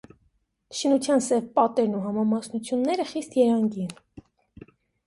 Շինության սև պատերն ու համամասնությունները խիտ երանգի են։